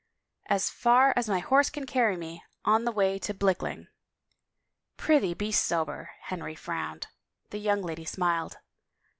As far as my horse can carry me on the way to Blickling." " Prithee, be sober," Henry frowned. The young lady smiled.